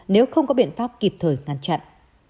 nếu không có biện pháp kịp thời ngăn chặn